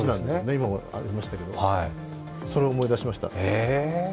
今もありましたけど、それを思い出しました。